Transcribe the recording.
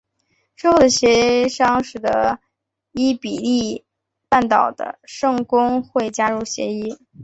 之后的协商使得伊比利半岛的圣公会加入协议。